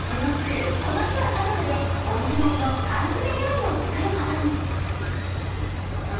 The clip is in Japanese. この日は家族でオリジナルの缶詰料理を作ることに！